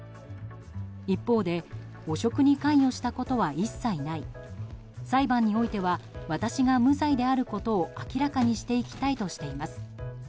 一方で汚職に関与したことは一切ない裁判においては私が無罪であることを明らかにしていきたいとしています。